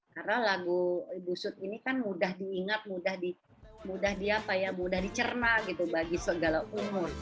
karena lagu ibu sud ini kan mudah diingat mudah dicerna gitu bagi segala umur